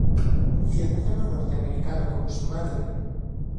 Ciudadano norteamericano como su madre.